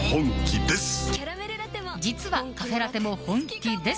実はカフェラテも本気です。